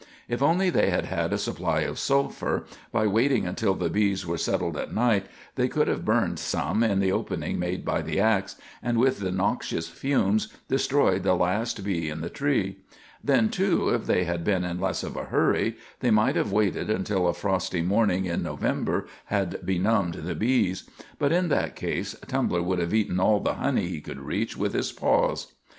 If only they had had a supply of sulphur, by waiting until the bees were settled at night, they could have burned some in the opening made by the ax, and with the noxious fumes destroyed the last bee in the tree. Then, too, if they had been in less of a hurry they might have waited until a frosty morning in November had benumbed the bees; but in that case Tumbler would have eaten all the honey he could reach with his paws.